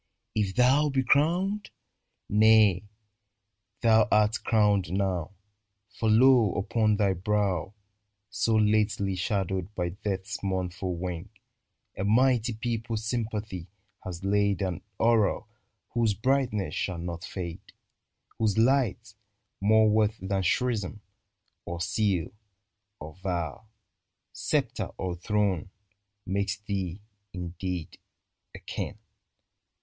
If thou be crowned ? Nay, thou art crowned now ; For, lo ! upon thy brow. So lately shadowed by Death's mournful wing, A mighty people's sympathy has laid 21 .CORONATION TO KING EDWARD VII An aureole whose brightness shall not fade : Whose light, more worth than chrism, or seal, or vow. Sceptre or throne, makes thee, indeed, a King